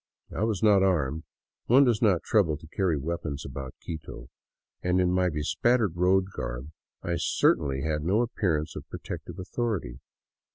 I was not armed — one does not trouble to carry weapons about Quito — and in my bespattered road garb I had certainly no appearance of protective authority.